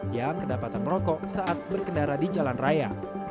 yang kedapatan merokok saat berkendara di jalan raya